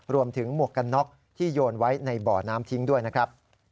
หมวกกันน็อกที่โยนไว้ในบ่อน้ำทิ้งด้วยนะครับ